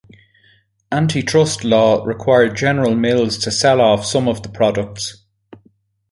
Antitrust law required General Mills to sell off some of the products.